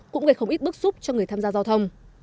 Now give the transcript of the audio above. các sức cho người tham gia giao thông